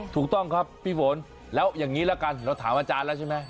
ถูกต้องครับพี่ฝนแล้วอย่างนี้ละกันเราถามอาจารย์แล้วใช่ไหม